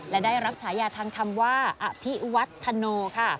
และได้รับฉายาทางธรรมว่าอภิวัฒโนค่ะ